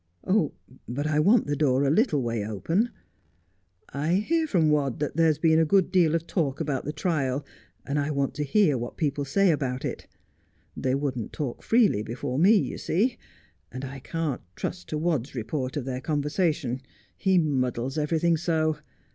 ' But I want the door a little way open. I hear from Wadd that there's been a good deal of talk about the trial, and I want to hear what people say ahout it. They wouldn't talk freely before me, you see, and I can't trust to Wadd's report of their conversation. He muddles everything so.